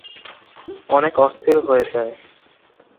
অনেক অস্থির হয়ে যায়।